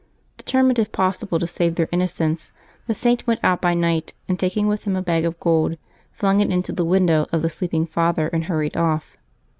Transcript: Determined, if possible, to save their innocence, the .Saint went out by night, and, taking with him a bag of gold, flung it into the window of the sleeping father and hurried off.